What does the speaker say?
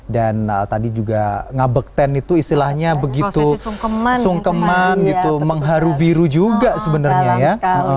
dan tadi juga ngabek ten itu istilahnya begitu sungkeman gitu mengharu biru juga sebenarnya ya